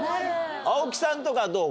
青木さんとかどう？